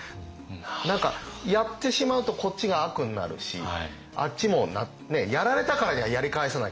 何かやってしまうとこっちが悪になるしあっちもやられたからやり返さなきゃ。